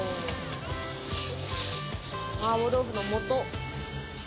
麻婆豆腐のもと。